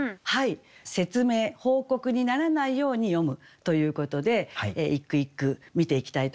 説明報告にならないように詠むということで一句一句見ていきたいと思いますね。